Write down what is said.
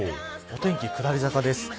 お天気、下り坂です。